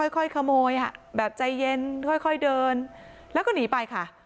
ค่อยขโมยแบบใจเย็นค่อยเดินแล้วก็หนีไปค่ะ